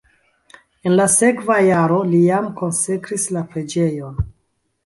En la sekva jaro li jam konsekris la preĝejon.